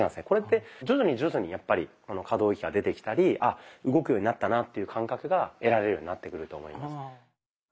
これって徐々に徐々に可動域が出てきたり「あ動くようになったな」っていう感覚が得られるようになってくると思います。